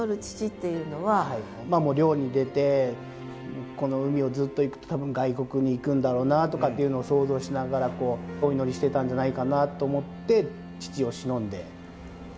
もう漁に出てこの海をずっと行くと多分外国に行くんだろうなとかっていうのを想像しながらお祈りしてたんじゃないかなと思って父をしのんで詠んでみました。